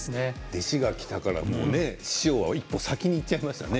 弟子が来たから師匠は一歩先に行っちゃいましたね。